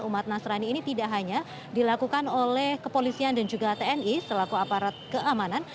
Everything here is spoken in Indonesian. umat nasrani ini tidak hanya dilakukan oleh kepolisian dan juga tni selaku aparat keamanan